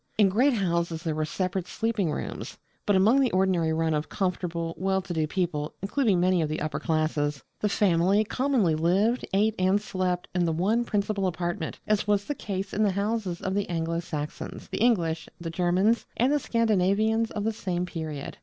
In great houses there were separate sleeping rooms. But among the ordinary run of comfortable, well to do people, including many of the upper classes, the family commonly lived, ate, and slept in the one principal apartment, as was the case in the houses of the Anglo Saxons, the English, the Germans, and the Scandinavians of the same period.